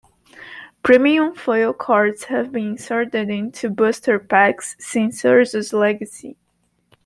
Premium foil cards have been inserted into booster packs since "Urza's Legacy".